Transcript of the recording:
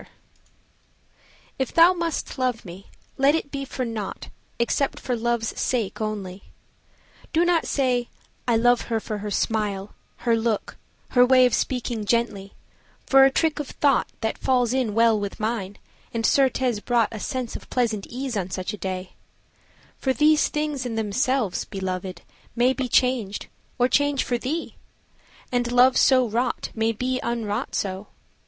XIV If thou must love me, let it be for nought Except for love's sake only. Do not say I love her for her smile her look her way Of speaking gently, for a trick of thought That falls in well with mine, and certes brought A sense of ease on such a day For these things in themselves, Belovèd, may Be changed, or change for thee, and love, so wrought, May be unwrought so.